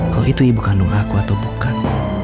kalau itu ibu kandung aku atau bukan